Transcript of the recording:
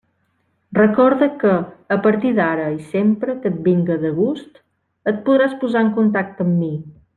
Recorda que, a partir d'ara i sempre que et vinga de gust, et podràs posar en contacte amb mi.